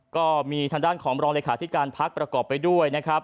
ก็มีทางด้านของรองเลขาธิการพักประกอบไปด้วยนะครับ